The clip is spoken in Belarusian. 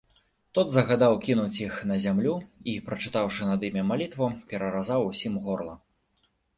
Тот загадаў кінуць іх на зямлю і, прачытаўшы над імі малітву, пераразаў усім горла.